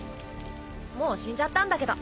もう死んじゃったんだけど。